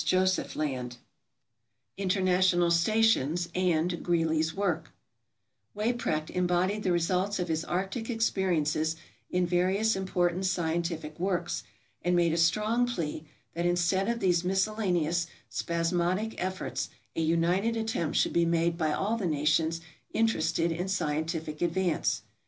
MISCELLANEOUS 455 International Stations, and Greely's Work Weyprecht embodied the results of his arctic experiences in various important scientific works, and made a strong plea that instead of these miscellaneous, spasmodic efforts, a united attempt should be made by all the nations interested in scientific advance.